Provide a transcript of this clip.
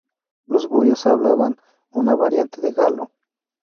Los boyos hablaban una variante de galo.